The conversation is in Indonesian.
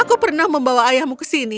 aku pernah membawa ayahmu ke sini